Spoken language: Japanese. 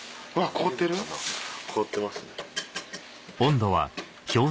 凍ってますね。